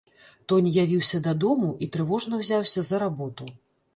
Тоня явіўся дадому і трывожна ўзяўся за работу.